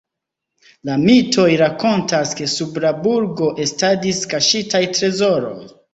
La mitoj rakontas, ke sub la burgo estadis kaŝitaj trezoroj.